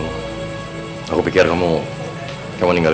maaf sangat tapi terlihat calonnya sangat istimewa